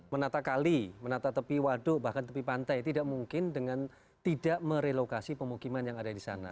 menata kali menata tepi waduk bahkan tepi pantai tidak mungkin dengan tidak merelokasi pemukiman yang ada di sana